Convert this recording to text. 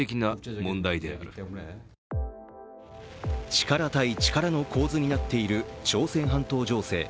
力対力の構図になっている朝鮮半島情勢。